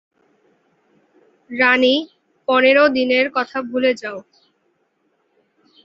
রানি, পনেরো দিনের কথা ভুলে যাও।